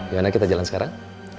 yaudah kita jalan sekarang